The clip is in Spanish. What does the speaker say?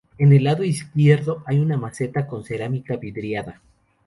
En el lado izquierdo hay una maceta con cerámica vidriada.